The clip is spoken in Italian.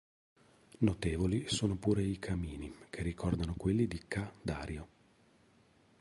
Notevoli sono pure i camini, che ricordano quelli di Ca' Dario.